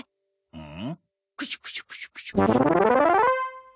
うん？